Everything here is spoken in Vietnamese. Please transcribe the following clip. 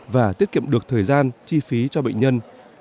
và tiết kiệm được thời gian chi phí cho bệnh nhân